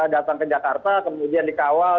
datang ke jakarta kemudian dikawal